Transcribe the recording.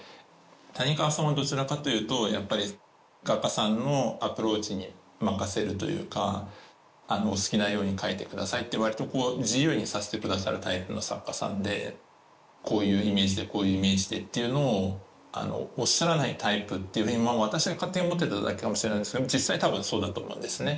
谷川さんはどちらかというとやっぱり画家さんのアプローチに任せるというかお好きなように描いて下さいってわりと自由にさせて下さるタイプの作家さんでこういうイメージでこういうイメージでっていうのをおっしゃらないタイプっていうふうに私が勝手に思ってただけかもしれないですけど実際多分そうだと思うんですね。